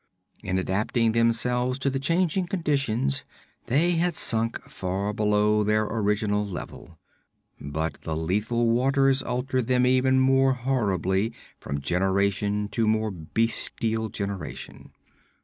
In adapting themselves to the changing conditions, they had sunk far below their original level. But the lethal waters altered them even more horribly, from generation to more bestial generation.